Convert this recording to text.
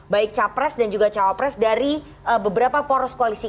baik capres dan juga cawapres dari beberapa poros koalisi